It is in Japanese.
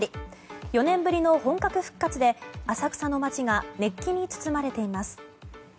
４年ぶりの本格復活で浅草の街が熱気に包まれています。